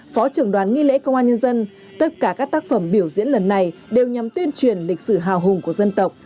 phó trưởng đoàn nghi lễ công an nhân dân tất cả các tác phẩm biểu diễn lần này đều nhằm tuyên truyền lịch sử hào hùng của dân tộc